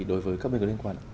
đối với các người có liên quan ạ